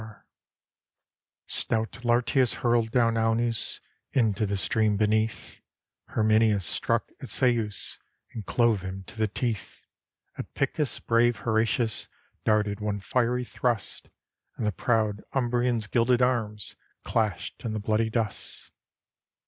279 ROME Stout Lartius hurled down Aunus Into the stream beneath: Herminius struck at Seius, And clove him to the teeth: At Picus brave Horatius Darted one fiery thrust; And the proud Umbrian's gilded arms Clashed in the bloody dust.